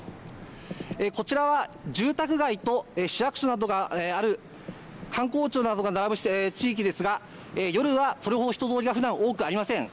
こちらは住宅街と市役所などがある官公庁などが並ぶ地域ですが夜は、それほど人通りはふだん多くありません。